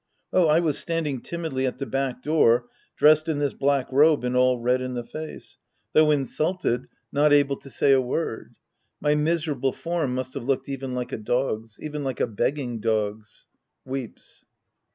Oh, I was standing timidly at the back door dressed in this black robe and all red in the face. Though insulted, not Sc. I The Priest and His Disciples 179 able to say a word. My miserable form must have looked even like a dog's. Even like a begging dog's. {IVeeps.)